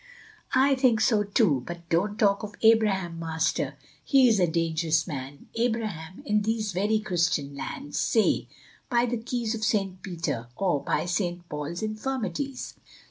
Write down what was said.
"I think so too; but don't talk of Abraham, Master. He is a dangerous man, Abraham, in these very Christian lands; say, 'By the Keys of St. Peter,' or, 'By St. Paul's infirmities.